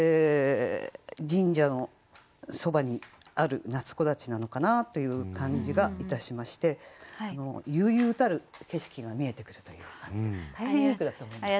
神社のそばにある夏木立なのかなという感じがいたしまして悠々たる景色が見えてくるという感じで大変いい句だと思います。